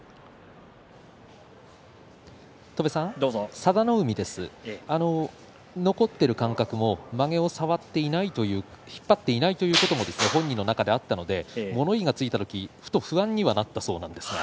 佐田の海ですが残っている感覚もまげを引っ張っていないということも本人の中ではあったので物言いがついた時不安にはなったそうです。